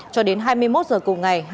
cho đến hai mươi một h cùng ngày